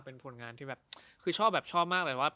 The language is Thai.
เป็นผลงานที่แบบคือชอบแบบชอบมากเลยว่า